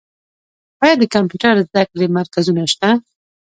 آیا د کمپیوټر زده کړې مرکزونه شته؟